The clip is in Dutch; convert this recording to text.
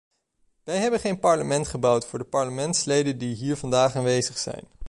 Wij hebben geen parlement gebouwd voor de parlementsleden die hier vandaag aanwezig zijn.